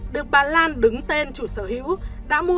được bà lan đứng tên chủ sở hữu